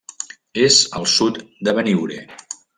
És al sud de Beniure.